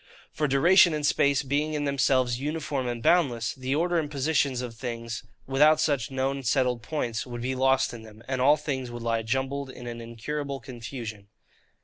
For duration and space being in themselves uniform and boundless, the order and position of things, without such known settled points, would be lost in them; and all things would lie jumbled in an incurable confusion.